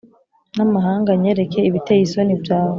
N amahanga nyereke ibiteye isoni byawe